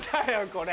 これ！